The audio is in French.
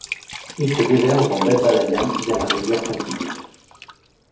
Il se déverse dans baie de Balayan via la rivière Pansipit.